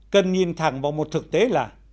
cần nhìn thẳng vào một thực tế là